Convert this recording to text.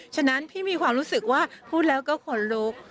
ฉะนั้นพี่มีความรู้สึกว่าพูดแล้วก็ขนลุก